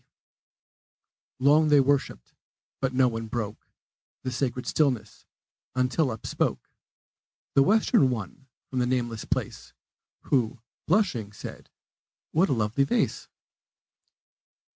Long they worshiped; but no one broke The sacred stillness, until up spoke The Western one from the nameless place, Who, blushing, said, "What a lovely vase!"